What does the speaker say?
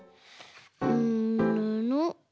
うんぬの。